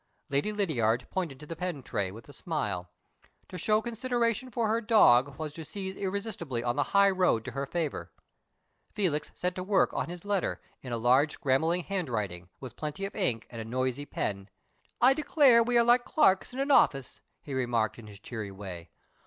Lady Lydiard pointed to the pen tray, with a smile. To show consideration for her dog was to seize irresistibly on the high road to her favor. Felix set to work on his letter, in a large scrambling handwriting, with plenty of ink and a noisy pen. "I declare we are like clerks in an office," he remarked, in his cheery way.